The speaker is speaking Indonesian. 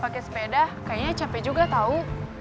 pakai sepeda kayaknya capek juga tahu